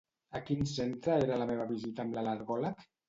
A quin centre era la meva visita amb l'al·lergòleg?